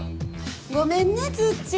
ごめんねツッチー。